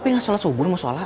papi ga sholat subuh mau sholat